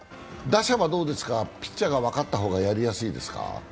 打者はどうですか、ピッチャーが分かった方がやりやすいですか？